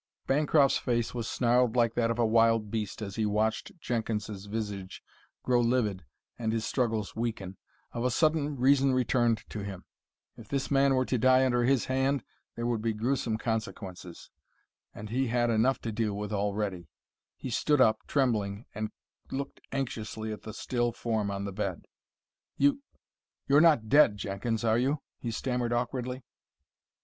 Bancroft's face was snarled like that of a wild beast as he watched Jenkins's visage grow livid and his struggles weaken. Of a sudden reason returned to him. If this man were to die under his hand there would be grewsome consequences and he had enough to deal with already. He stood up, trembling, and looked anxiously at the still form on the bed. "You you're not dead, Jenkins, are you?" he stammered awkwardly.